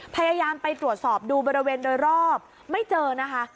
พยายามไปตรวจสอบดูบริเวณโดยรอบไม่เจอนะคะ